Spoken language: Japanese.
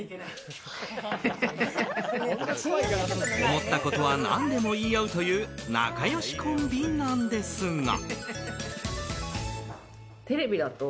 思ったことは何でも言い合うという仲良しコンビなんですが。